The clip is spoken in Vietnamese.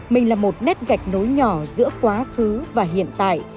mình là một nét gạch nối nhỏ giữa quá khứ và hiện tại